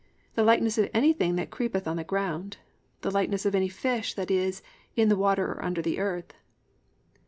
(18) The likeness of anything that creepeth on the ground, the likeness of any fish that is in the water under the earth."